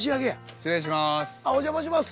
失礼します。